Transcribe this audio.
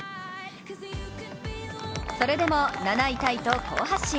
それでも７位タイと好発進。